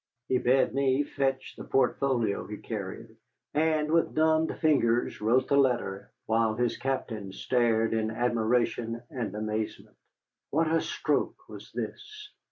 He bade me fetch the portfolio he carried, and with numbed fingers wrote the letter while his captains stared in admiration and amazement. What a stroke was this!